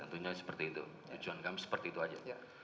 tentunya seperti itu tujuan kami seperti itu aja